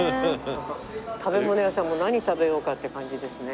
食べ物屋さんも何食べようかって感じですね。